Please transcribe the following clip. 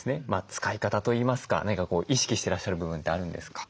使い方といいますか何か意識してらっしゃる部分ってあるんですか？